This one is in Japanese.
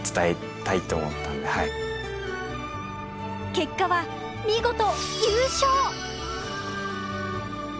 結果は見事優勝！